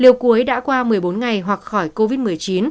điều cuối đã qua một mươi bốn ngày hoặc khỏi covid một mươi chín